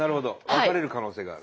分かれる可能性がある？